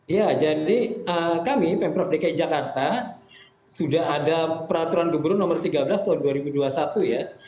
ya jadi kami pemprov dki jakarta sudah ada peraturan gubernur nomor tiga belas tahun dua ribu dua puluh satu ya